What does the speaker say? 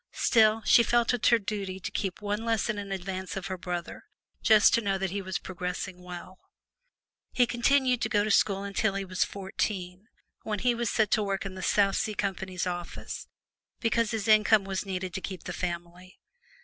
Still, she felt it her duty to keep one lesson in advance of her brother, just to know that he was progressing well. He continued to go to school until he was fourteen, when he was set to work in the South Sea Company's office, because his income was needed to keep the family.